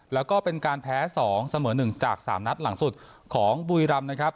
แล้วก็เป็นการแพ้๒เสมอ๑จาก๓นัดหลังสุดของบุรีรำนะครับ